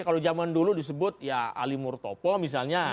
kalau zaman dulu disebut ya ali murtopo misalnya